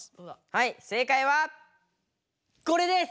はい正解はこれです！